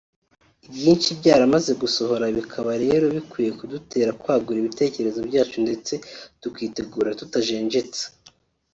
ibyinshi byaramaze gusohora bikaba rero bikwiye kudutera kwagura ibitekerezo byacu ndetse tukitegura tutajenjetse